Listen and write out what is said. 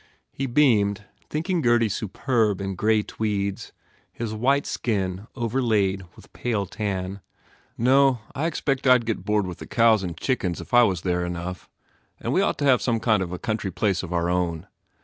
He beamed, thinking Gurdy superb in grey tweeds, his white skin overlayed with pale tan. "No, I expect I d get bored with the cows and chickens if I was there enough. And we ought to have some kind of a country place of our own.